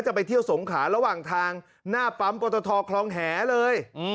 จะไปเที่ยวสงขาระหว่างทางหน้าปั๊มปตทคลองแหเลย